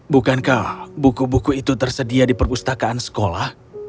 bukankah buku buku itu tersedia di perpustakaan sekolah